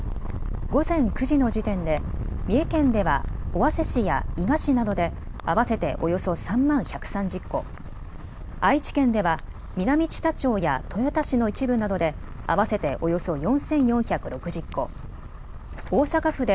午前９時の時点で三重県では尾鷲市や伊賀市などで合わせておよそ３万１３０戸、愛知県では南知多町や豊田市の一部などで合わせておよそ４４６０戸、大阪府で